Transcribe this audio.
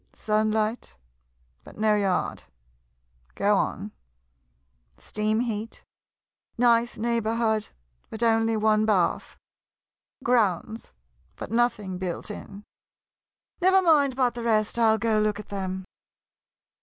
Sunlight — but no yard. Go on — steam heat, nice neighborhood — but only one bath — grounds, but nothing built in. Never mind about the rest — I '11 go look at them.